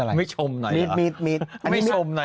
อันนี้ชมไหนละ